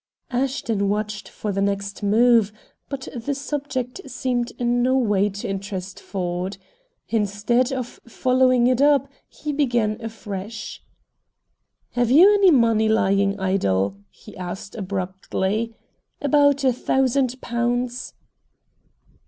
Ashton watched for the next move, but the subject seemed in no way to interest Ford. Instead of following it up he began afresh. "Have you any money lying idle?" he asked abruptly. "About a thousand pounds."